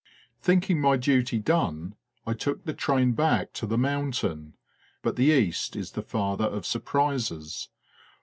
Thinking my duty done, I took the train back to the mountain. But the East is the father of surprises